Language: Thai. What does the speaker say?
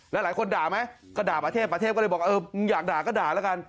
หลายคนด่าไหมก็ด่าประเทพประเทพก็เลยบอกเออมึงอยากด่าก็ด่าแล้วกัน